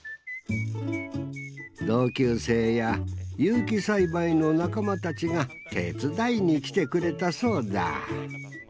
同級生や有機栽培の仲間たちが手伝いに来てくれたそうだ